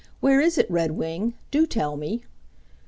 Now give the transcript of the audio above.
Where is it, Redwing? Do tell me."